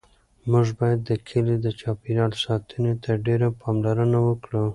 موږ باید د کلي د چاپیریال ساتنې ته ډېره پاملرنه وکړو.